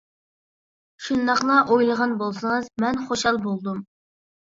-شۇنداقلا ئويلىغان بولسىڭىز، مەن خۇشال بولدۇم.